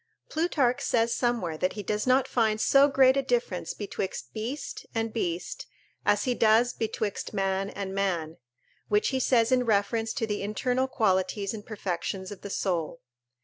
Plutarch says somewhere that he does not find so great a difference betwixt beast and beast as he does betwixt man and man; which he says in reference to the internal qualities and perfections of the soul.